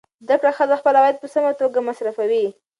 زده کړه ښځه خپل عواید په سمه توګه مصرفوي.